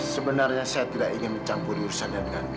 sebenarnya saya tidak ingin mencampur di urusan dan gando